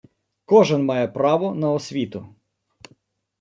Кожен має право на освіту